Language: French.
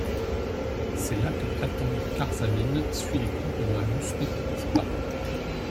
C'est là que Platon Karsavine suit les cours de Marius Petipa.